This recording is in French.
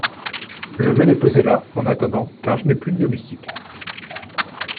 Je vais les poser là, en attendant … car je n'ai plus de domestiques …